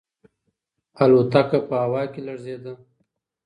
الوتکه په هوا کې لړزیده.